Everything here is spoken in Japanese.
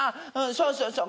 そうそうそう！